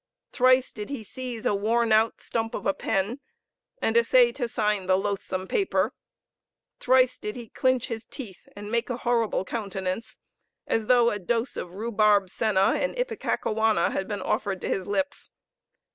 Thrice did he seize a worn out stump of a pen, and essay to sign the loathsome paper; thrice did he clinch his teeth, and make a horrible countenance, as though a dose of rhubarb senna, and ipecacuanha, had been offered to his lips.